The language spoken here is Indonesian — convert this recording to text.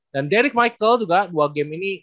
dan derek michael juga dua game ini